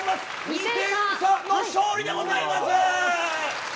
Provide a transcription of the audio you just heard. ２点差の勝利でございます。